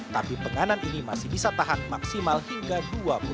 tapi penganan ini masih bisa tahan maksimal hingga dua puluh menit